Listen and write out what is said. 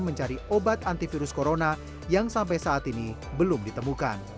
mencari obat antivirus corona yang sampai saat ini belum ditemukan